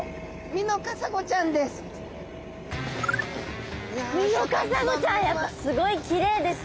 ミノカサゴちゃんやっぱすごいきれいですね。